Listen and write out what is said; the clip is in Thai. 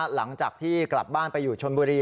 หลังจากที่กลับบ้านไปอยู่ชนบุรี